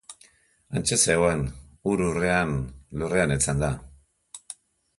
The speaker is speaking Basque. Hantxe zegoen, hur-hurrean lurrean etzanda.